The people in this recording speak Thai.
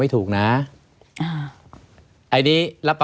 ไม่มีครับไม่มีครับ